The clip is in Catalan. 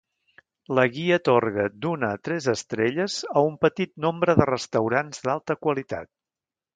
La guia atorga d'una a tres estrelles a un petit nombre de restaurants d'alta qualitat.